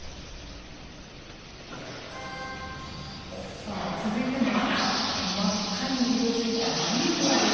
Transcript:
さあ続いても赤、真っ赤に色づいたりんごです。